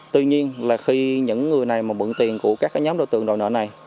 tuy nhiên là khi những người này mà bựng tiền của các nhóm đối tượng đồ nợ này